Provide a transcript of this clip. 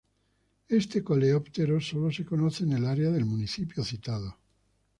Este coleóptero solo se conoce en el área del municipio citado.